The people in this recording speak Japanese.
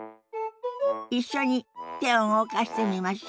一緒に手を動かしてみましょ。